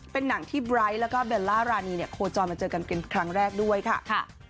เป็นหนังที่ไบร์ทแล้วก็เบลล่ารานีเนี่ยโคจรมาเจอกันเป็นครั้งแรกด้วยค่ะ